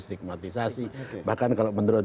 dematisasi bahkan kalau menurut